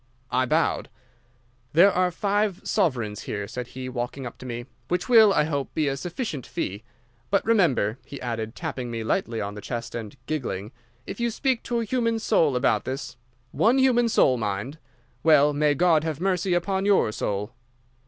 "I bowed. "'There are five sovereigns here,' said he, walking up to me, 'which will, I hope, be a sufficient fee. But remember,' he added, tapping me lightly on the chest and giggling, 'if you speak to a human soul about this—one human soul, mind—well, may God have mercy upon your soul!"